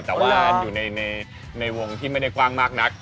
แต่ว่าอยู่ในวงที่ไม่ได้กว้างมากนัก